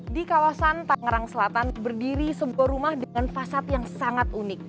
di kawasan tangerang selatan berdiri sebuah rumah dengan fasad yang sangat unik